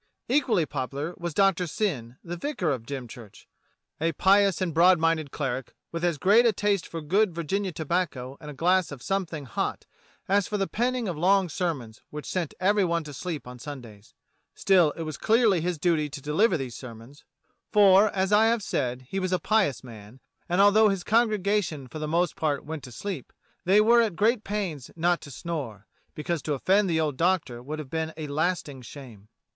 Equally popular was Doctor Syn, the vicar of Dym church: a pious and broad minded cleric, with as great 3 4 DOCTOR SYN a taste for good Virginia tobacco and a glass of some thing hot as for the penning of long sermons which sent every one to sleep on Sundays. Still, it was clearly his duty to deliver these sermons, for, as I have said, he was a pious man, and although his congregation for the most part went to sleep, they were at great pains not to snore, because to offend the old Doctor would have been a lasting shame.